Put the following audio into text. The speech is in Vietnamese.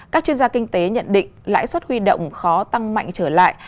các chuyên gia kinh tế nhận định lãi suất huy động khó tăng mạnh trở lại